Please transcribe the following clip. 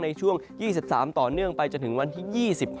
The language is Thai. ในช่วง๒๓ต่อเนื่องไปจนถึงวันที่๒๕